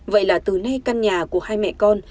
vậy là từ nay căn nhà của hai mẹ con